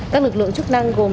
các lực lượng chức năng gồm